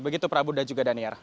begitu prabu dan juga daniar